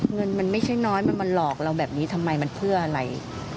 เงินมันไม่ใช่น้อยมันมาหลอกเราแบบนี้ทำไมมันเพื่ออะไร